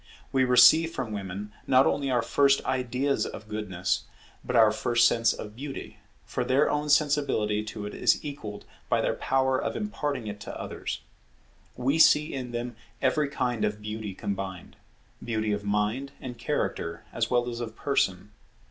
We receive from women, not only our first ideas of Goodness, but our first sense of Beauty; for their own sensibility to it is equalled by their power of imparting it to others. We see in them every kind of beauty combined; beauty of mind and character as well as of person.